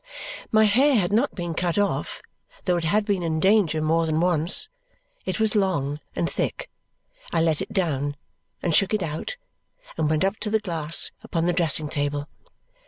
My hair had not been cut off, though it had been in danger more than once. It was long and thick. I let it down, and shook it out, and went up to the glass upon the dressing table.